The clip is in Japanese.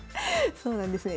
そうなんですね。